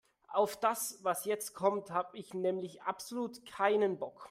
Auf das, was jetzt kommt, habe ich nämlich absolut keinen Bock.